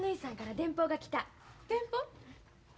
電報？